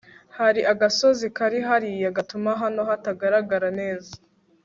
hari agasozi kari hariya gatuma hano hatagaragara neza